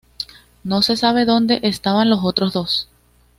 No se sabe donde estaban los otros dos.